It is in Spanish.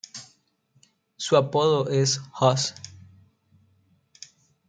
Su apodo es "Hoss".